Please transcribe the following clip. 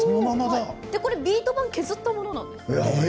これ、ビート版を削ったものなんです。